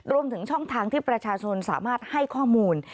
รวมถึงช่องทางที่ประชาชนสามารถให้ข้อมูล